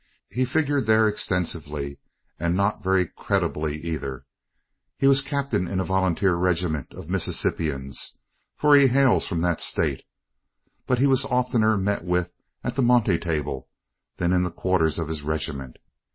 He figured there extensively, and not very creditably either. He was captain in a volunteer regiment of Mississippians for he hails from that State; but he was oftener met with at the monte table than in the quarters of his regiment.